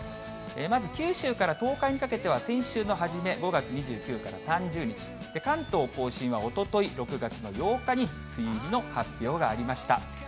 まず九州から東海にかけては先週の初め、５月２９から３０日、関東甲信は、おととい６月の８日に梅雨入りの発表がありました。